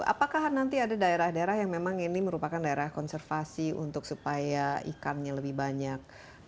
apakah nanti ada daerah daerah yang memang ini merupakan daerah konservasi untuk supaya ikannya lebih banyak